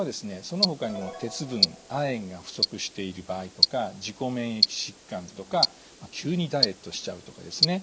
そのほかにも鉄分亜鉛が不足している場合とか自己免疫疾患とか急にダイエットしちゃうとかですね